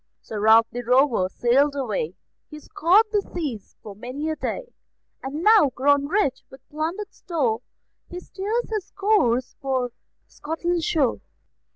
Sir Ralph the Rover sailed away; He scoured the seas for many a day; And now, grown rich with plundered store, He steers his course for Scotland's shore.